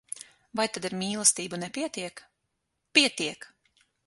Vai tad ar mīlestību nepietiek? Pietiek!